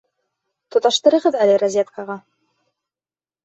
Тоташтырығыҙ әле розеткаға.